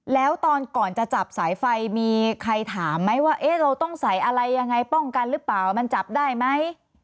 แล้วตอนก่อนจะจับสายไฟมีใครถามไหมว่าเราต้องใส่อะไรยังไงป้องกันหรือเปล่ามันจับได้ไหม